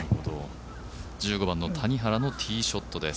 １５番の谷原のティーショットです。